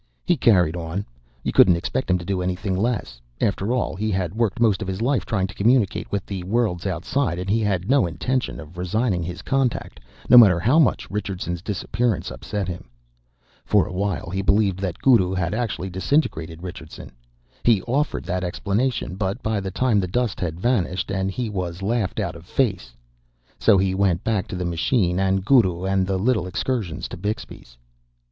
"He carried on. You couldn't expect him to do anything less. After all, he had worked most of his life trying to communicate with the worlds outside, and he had no intention of resigning his contact, no matter how much Richardson's disappearance upset him. For a while he believed that Guru had actually disintegrated Richardson; he offered that explanation, but by that time the dust had vanished, and he was laughed out of face. So he went back to the machine and Guru and the little excursions to Bixby's...."